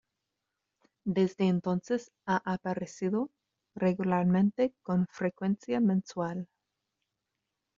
Desde entonces ha aparecido regularmente con frecuencia mensual.